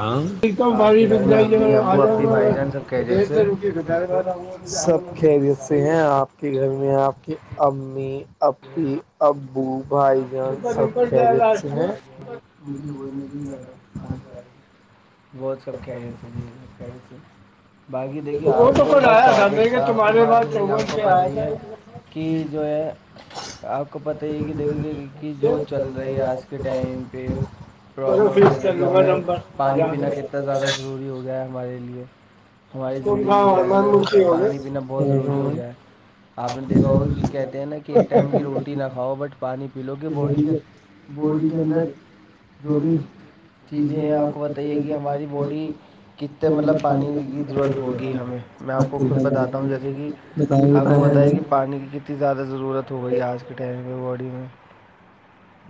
ہاں ھیکم باڑی رک جائے گی آ جاں گا ڈیڑھ سو روپیئےاؤں گا سب خیریت سے ہیں آپ کی گھر میں آپ کی امی ای ابو آ مے زبور میں ہی زیادہ خاص ل رہ [unintelligible] [inaudible] بہت سب کہہریی تھ جی سب کہہی سے باقی دیکھیے آج ب ٹاپک تھا آپ کے پاس جیسے کہ آپ کو پتہ ہی ہے کہ جو ہے آپ کو پتہ ہی ہے کہ د کہ جو چل رہی ہے آج کے ٹائم پہ پرابلم جیسے کہ ہمیں پانی پینا کتنا زیادہ ضروری ہو گیا ہے ہمارے لیے ہماری زندگی کے اندر پانی پینا بہت ضروری ہو گیا ہے آپ نے دیکھا ہو کہ کہتے ہیں نا کہ ایک ٹائم کی روٹی نہ کھاؤ بٹ پانی پی لو کہ باڈی کے باڈی کے اندر جو بھی چیزیں ہیں آپ کو بتائیے کہ ہماری باڈی کتنے مطلب پانی گ ہمیں میں آپ کو خود بتاتا ہوں جیسے کہ آپ کو بتائے کہ پانی کی کتنی اتنی زیادہ ضرورت ہو گئی ہے آج کے ٹائم کے باڈی میں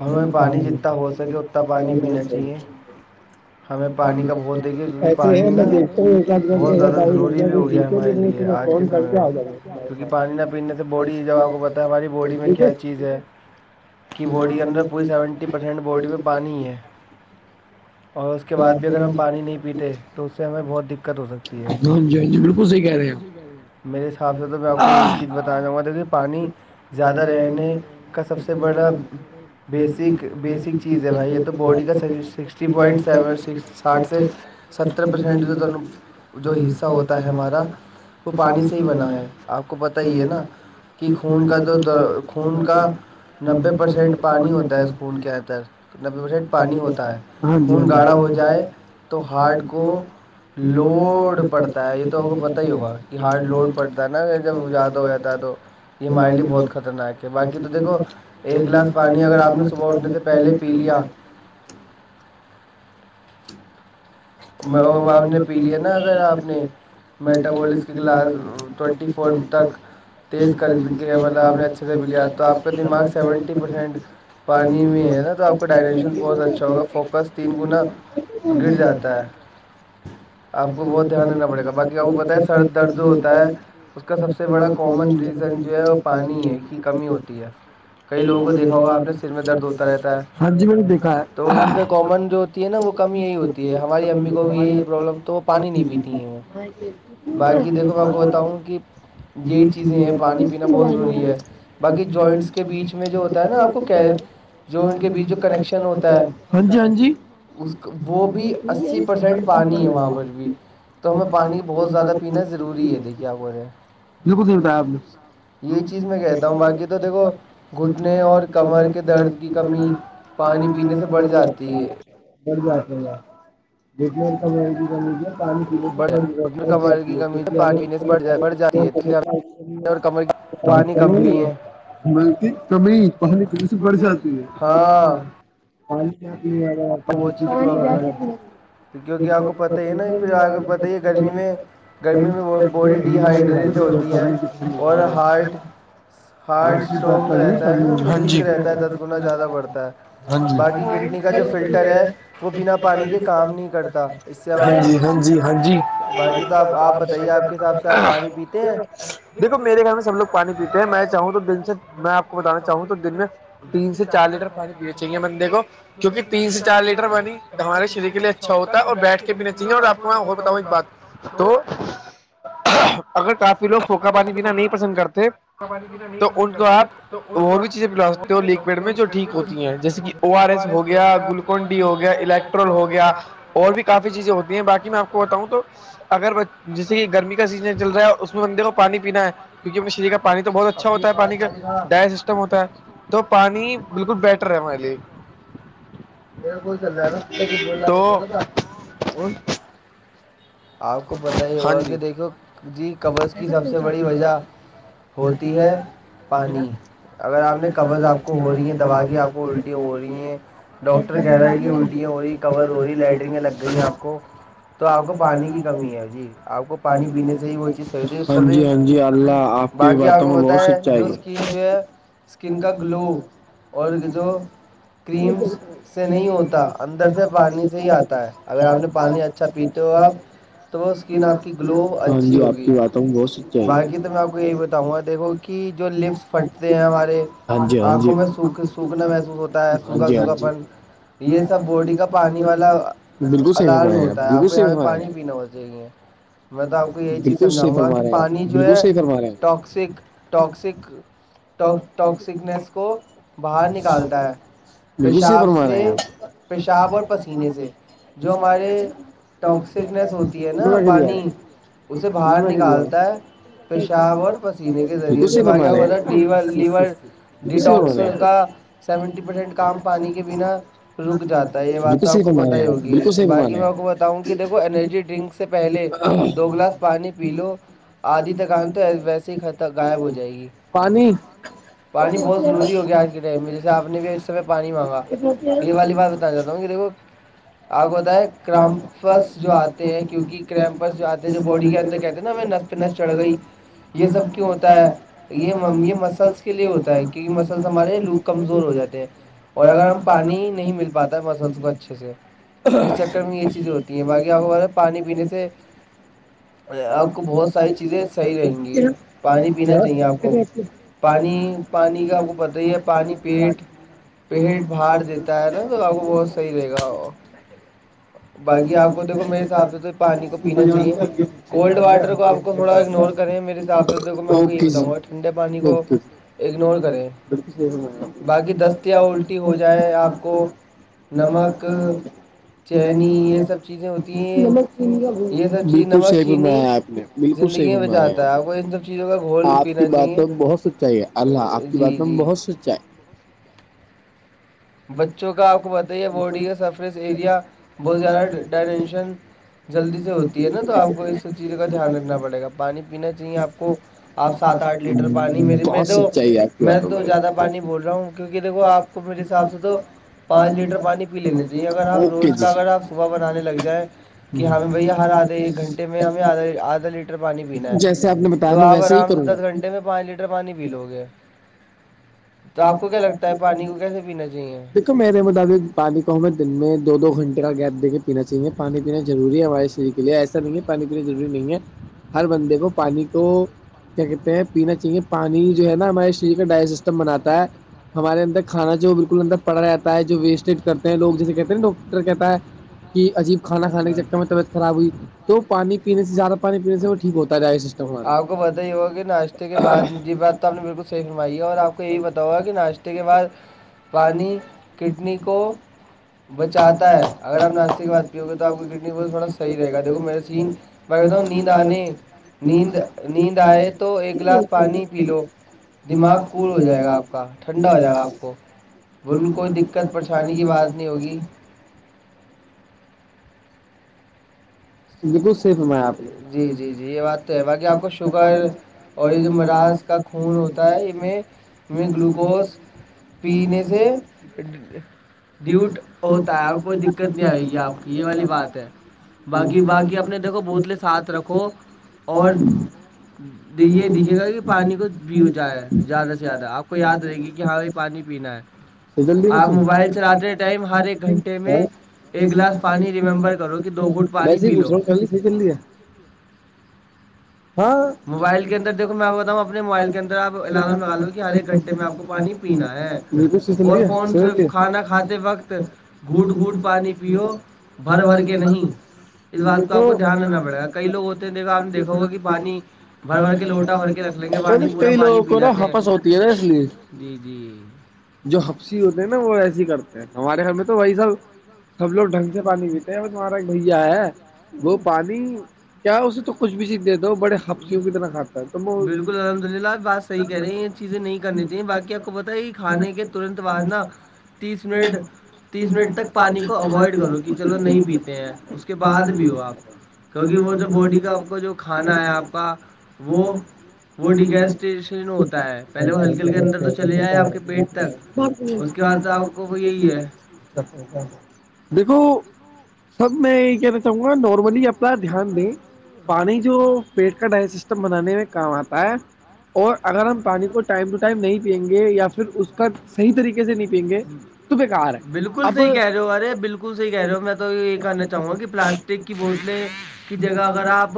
ہمیں پانی جتنا ہو سکے اتنا پانی پینا چاہیے ہمیں پانی کا بہت دیک گے کیونکہ پانی نا بہت زیادہ ضروری بھی ہو گیا ہمارے لیے آج کے سمے میں کیونکہ پانی نہ پینے سے باڈی جب آپ کو پتا ہے ہماری باڈی میں کیا چیز ہے کی باڈی کے اندر پوری سیونٹی پرسینٹ باڈی میں پانی ہے [inaudible] اور اس کے بعد بھی اگر ہم پانی نہیں پیتے تو اس سے ہمیں بہت دقت ہو سکتی ہے میرے حساب سے تو میں آپ کو یہی چیز بتانا چاہوں گا کہ پانی زیادہ رہنے کا سب سے بڑا [unintelligible] بیسک بیسک چیز ہے بھائی یہ تو باڈی کا سکسٹی پوائنٹ سیون سکس ساٹ سے ستر پرسینٹ جو جو حصہ ہوتا ہے ہمارا وہ پانی سے ہی بنا ہے آپ کو پتا ہی ہے نا کہ خون کا جو خون کا مدھیہ پردیش پانی ہوتا ہے خون کے اندر نبے پرسینٹ پانی ہوتا ہے خون گاڑھا ہو جائے تو ہارڈ کو [unintelligible] لوڈ پڑتا ہے یہ تو ہم کو پتا ہی ہوگا کہ ہارڈ لوڈ پڑتا ہے نا جب زیادہ ہو جاتا ہے تو یہ ہمارے لیے بہت خطرناک ہے باقی تو دیکھو ایک گلاس اگر آپ نے صبح اٹھنے سے پہلے پی لیا ن پ [unintelligible] [inaudible] مٹا بول ل [unintelligible] پ کر دیپ [unintelligible] پانی ج [unintelligible] [inaudible] آپ کو بہت دھیان دینا پڑے گا باقی آپ کو پت ہے سرد درد جو ہوتا ہے اس کا سب سے سب سے بڑا کامن ریزن جو ہے وہ پانی ہے کی کمی ہوتی ہے کئی لوگوں کو دیکھا ہوا آپ نے سر میں درد ہوتا رہتا ہے تو ان سے کامن جو ہے نا وہ کمی یہی ج [unintelligible] [inaudible] د ہوتی ہے [unintelligible] [inaudible] دیکے ہیں پانی ہوی ہے باقی کے بیچ میں جو ہوتا ہے نا آپ جو ان کےشن ہوتا ہے ہاں جی ہاں جی اس وہ بھی اسی پرسینٹ پانی ہے وہاں پر بھی تو ہمیں پانی بہت زیادہ پینا ضروری ہے دیکھی کیا ب رہے دک دتا یہ چیز میں کہتا ہوں باقی تو دیکھو گھٹنے اور کمر کے درد کی کمی پانی پینے سے بڑھ جاتی ہے بڑ جاس گ جی کام کر مجے پانی پینے سے ب بر جاتی ہے کی ہم س اور چل مل کمی پہانی کیس بڑ جاتتی ہاں پ ش [unintelligible] [inaudible] ج آپ کو پت ہے نا آگ ب گلی گے [inaudible] [unintelligible] [inaudible] ج فلٹر ہے تو ہاں جی ہاں جی ہاں جی بح آپ بتائیے آپ دیکھو میرے گھر میں سب لوگ پانی پیتے ہیں میں چاہوں تو دن سے میں آپ کو بتانا چاہوں تو دن میں تین سے چار لیٹر پانی پینے چاہیے بندے کو کیونکہ تین سے چار لیٹر پانی ہمارے شریر لیے اچھا ہوتا ہے اور بیٹھ کے بھینا چاہیے اور آپ کو یہ ہو بتاؤں ایک بات تو اگر کافی لوگ پھوکا پانی پینا نہیں پسند کرتے ہمے پینا نہیں پسند کرتے تو ب پیڑ میں جو جیسے کہ او آر ایس ہو گیا گلوکون ڈی ہو گیا الیکٹرول ہو گیا گیا اور بھی کافی چیزیں ہوتی ہیں بقی میں آپ کو بتاؤں تو اگر جیسے کہ گرمی کا سیزن چل رہا ہے اس میں بندے کو پانی پینا ہے کیونکہ ہم نے کا پانی تو بہت اچھا ہوتا ہے پانی کا ڈائ سسٹم ہوتا ہے تو پانی بالکل بیٹر ہے ہمارے لیے م کوئی چنا ہے نا ہاں جی ٹی ہے ف [unintelligible] [inaudible] اگر آپ نے قبض آپ کو ہو رہی ہیں دواائییا آپ کو الٹیاں ہو رہی ہیں ڈاکٹر کہہ رہا ہے کہ الٹیاں ہو رہی ہیں کور ہو رہی لائٹرنگں لگ گئی ہیں آپ کو تو آ کو پ کمی ہے جی آپ کو پانی پینے سے ہی وہ چیزتی اس س جی اللہ آپ باقی آپ کو بت ہے جو اسکن جو ہے اسکن کا گلو ک کیھے [inaudible] ہوتاانی اگر ہم پانی پ ہاں جی آپ کی باتوں بہت سکتے ہے ہاں جی ہاں جی ہاں جی ہاں جی بالکل صح کڑ ہے بالکل صی فما رہے بالکل صحیح فرما رہے ہیں بالکل صحی فرما رہے ٹاکسک ٹاکسک ٹ ٹاکسکنیس کو باہر نکالتا ہے پیشاب سے پیشاب اور پسینے سے جو ہمارے ٹاکسکنیس ہوتی ہے نا پانی اسے باہر نکالتا ہے جٹ پیشاب اور پسینے کے ذریعے سے باقع ہوتا تھا ڈ لیور ڈیٹاکس کا سیونٹی پرسینٹ کام پانی کے بنا رک جاتا ہے یہ بات تو آپ کو پت ہی ہوگی باقی میں آپ کو بتاؤں گی دیکھو انینرجی ڈرنک سے پہلے دو گلاس پانی پی لو آدھی تکان تو ویسے ہیط غائب ہو جائے گی پانی بہت ضروری ہو گیا آج کے ٹائم میں جیسے آپ نے بھی اس سمئے پانی مانگا یہ والی بات جاہتا ہوں کہ دیکھو آگ ہوتا ہے کرامپور بس جو آتے ہیں کیونکہ کرمپرس جو آتے ہیں جو باڈی کے اندر کہتے نا وہ نس پہ نس چڑھ گئی یہ سب کیوں ہوتا ہے یہ یہ مسلس کے لیے ہوتا ہے کیونکہ مسلس ہمارے لو کمزور ہو جاتے ہیں اور اگر ہم پانی نہیں مل پاتا مسلس کو اچھے سے اس چکر میں یہ چیزیں ہوتی باقی آپ وغیرہ پانی پینے سے آپ کو بہت ساری چیزیں ای صحیح رہیں گی پانی پینا چاہیے آپ کو پانی پانی کا آپ کو پتہ ہی ہے پانی پیٹ پیٹ بار دیتا ہے نا تو گاؤ کو بہت صحیح رہے گا وہ ج بے آ اوکے جی اوکے جی اگنور کر باقی دس کیا ہو جائے آپ کو نمک چین یہ سب بالکل صیفمایا آپ نے بالکل صیفمایا آپ کی باتوں بہت سچائی ہے اللہ آپ کی بات میں بہت سچائی ہے بچوں کا آپ کو پت ہی ہے باڈی کا سرفیس ایریا بہت زیادہ ڈائمینشن جلدی سے ہوتی ہے نا تو آ کو اسب چیز کا دھیان رکھنا پڑے گا پانی پینا چاہیے آپ کو آپ سات آٹھ لیٹر پانی میرے میں تو میں تو زیادہ پانی بول رہا ہوں کیونکہ دیکھو آپ کو میرے ساتھ اب سے تو پانچ لیٹر پانی پی لینا چاہیے اگر آپ روز کا اگر آپ صبح بنانے لگ جائیں کہ ہمیں بھیا ہر آدھے ایک گھنٹے میں ہمیں آدھا آدھا لیٹر پانی پینا ہے تو آپ آرام سے دس گھنٹے میں پانچ لیٹر پانی پی لو گے تو آپ کو کیا لگتا ہے پانی کو کیسے دیکھو میرے مطابق پانی کو ہمیں دن میں دو گھنٹے کا گیپ دے کے پینا چاہیے پانی پینا ضوری ہے ہمارے شریر کےے ایسا نہیں ہے پانی پینا ضرور نہیں ہے ہر بندے کو پانی کو کیا کہتے ہیں پینا چاہیے پانی جو ہے نا ہمارے شریر کا ڈائ سسٹم بناتا ہے ہمارے اندر کھانا جو بالکل اندر پڑ رہتا ہے جو ویسٹیڈ کرتے ہیں لو جیسے کہتے ہیں نا ڈاکٹر کہتا ہے کہ عجیب کھانا کانے کے چکر میں طبیعت خراب ہوئی تو پانی پینے سے زیادہ پانی پینے سے وہ ٹھیک ہوتا رہائے ت مارا جی بات تو آپ نے بالکلحی فرمائی ہے اور آپ کے یہ بتاؤ گا کہ ناشتے کے بعد پانی کڈنی کو بچاتا ہے اگرپ ناشتے کے بد پیو گے تو آپ کی کڈنی پر تھوڑا صحیح رہےا دیکھو میرے سین بتا ہوں نیند آنے نیند نیند آئے تو ایک گلاس پانی ی لو دماغ کوول ہو ج جائے گا آپ کا ٹھنڈا ہو جائے گا آپ کو بالکل کوئی دقت پریشانی کی بات نہیں ہوگی جی جی جی یہ بات تو ہے باقی آپ کو شوگر اور یہ جو مراز کا خون ہوتا ہے ان میں میں گلوکوز پینے سے ڈیوٹ ہوتا ہے آپ کوئی دقت نہیں آئے گی آپ کی یہ والی بات ہے باقی باقی کہ اپنے دیکھو بوتلیں ساتھ رکھو اور یہ دکھے گا کہ پانی کو بھیو جائے زیادہ سے زیادہ آپ کو یاد رہے گی کہ ہاں پانی پینا ہے جلدی ایک گلاس پانی وسے ہیچھو ک بھی ٹھیک جی ہے موبائل کے اندر دیکو میں بتاؤوں اپنے موبائل کے اندر آپ الارم لگاالو کہ ہر ایک گھنٹے میں آپ کو پانی پینا ہے اور فون سے کھانا کھاتے وقت گھوٹ گھوٹ پانی پیو بھر بھر کے نہیں اس بات کا آپ کو دھیان رنا پڑے گا کئی لوگ ہوتے ہیں دیکھا آپ دیکھا ہوگا کہ پانی بھر بھر کے لوٹا بھر کے رکھ لیں گے پانی پورا پانی پی جاتے ہیں جی جی جو ہفسی ہوتے ہیں نا وہ ایسیے کرتے ہیں ہمارے گھر میں تو وہی ساب سب لوگ ڈھنگ سے پانی پیتے ہیں تمہارا ایک بھیا ہے وہ پانی کیا اسے تو کچھ بھی سی دے دو بڑے ہفسیوں کی طرح کھاتا ہے تو انے ت ب جا تیس منٹ ی بعد بھی وہ تو می کاا آ وہ وہڑ گ کیا آپ نے ہے دیکھو سب میں یہ کہ وں گا نارملی اپنا دھیان دیں پانی کی جو پیٹ کا ڈائ سسٹم بنانے میں کام آتا ہے اور اگر ہم پانی کو ٹائم ٹو ٹائم نہیں پئیں گے یا پھر اس پر صح طریقے سے نہیں پئیں گے تو بے کار ہے اب جگہ اگرہ آپ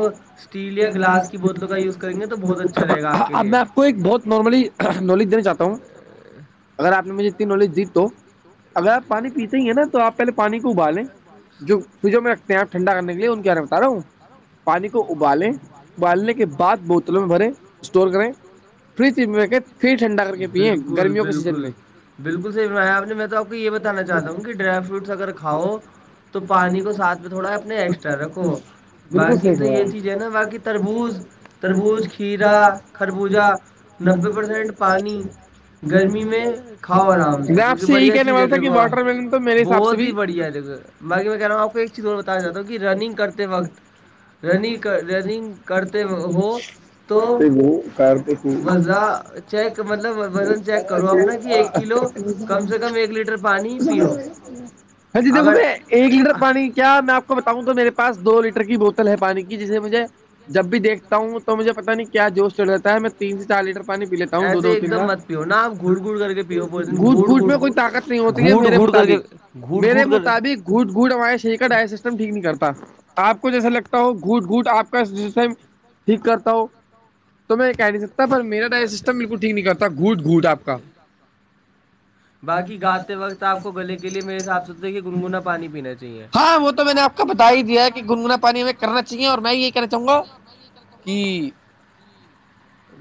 اب میں آپ کو ایک بہت نارملی نلت دن جاتوں [inaudible] پانیے ن تو آپ پانیالیںٹتے ٹھنڈا رہ گ ان کیا ن بتا رہا ہوں پانی کو بالے پانی بالنے کے بعد دو کاؤ بھر ہ بالکل بالکل بالکل صحیح بنایا آپ نے میں تو یہ بتانا چاہتا ہوں کہ ڈرائی فروٹس اگر کھاؤ تو پانی کو ساتھ میں تھوڑا اپنے ایکسٹرا رھو بق تو یہ چیز ہے نا باقی تربوز تربوز کھیرا خربوزہ نبے پرسینٹ پانی گرمی میں کھاؤ آرام سے کیونکہ بڑھیا چیز ہے دیکھو بہت ہی بڑھیا ہے دیکھو باقی میں کہ رہ ہوں آپ کو ایک چیز اور بتا جاتا ہوں کہ رنگ کرتے وقت بلی کر گ کرتے م وہ کر ہاں جی دیکھو میں ایک لیٹر پانی کیا میں آپ کو بتاؤں تو میرے پا دو لیٹر کی بوت ہے پانی کی جسے مجھے جب بھی دیکھتا ہوں تو مجھے پتاہ نہیں کیا جوش چڑھ رہا ہے میں تو تین سے چار لیٹر پانی پی لیتا ہوں دو دو تین بار گھٹ گھٹ میں کوئی طاقت نہیں ہوتی ہے میرے مطابق میرے مطابق گھٹ گھٹ ہمارے شریر کا ڈائر سسٹم ٹھیک نہیں کرتا آپ کو جیسا لگتا ہو گھٹ گھوٹ آپ کا جس ٹائم ٹھیک کرتا ہو تو میں یہ کہہ نہیں سکتا پر میرا ڈائ سسٹم بالکل ٹھیک نہیں کرتا گھوٹ گھوٹ آپ کا ہاں وہ تو میں نے بتا ہی دیا کہ گنگنا پانی میں کرنا چاہیے اور میں یہ کہنا چاہوں گا کہ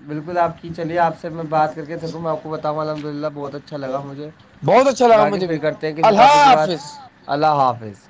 بالکل آپ کی چلیے آپ سے میں بات کر کے تھکوں میں آپ کو بتاؤں الحمد للہ بہت اچھا لگا مجھے باقی پھر کرتے ہیں کسی ٹاپی کے بعد اللہ حافظ